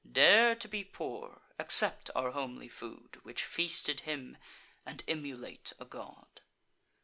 Dare to be poor; accept our homely food, Which feasted him, and emulate a god."